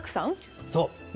そう。